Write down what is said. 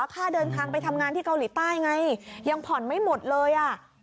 ค่าเดินทางไปทำงานที่เกาหลีใต้ไงยังผ่อนไม่หมดเลยอ่ะ